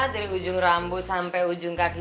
dari ujung rambut sampai ujung kaki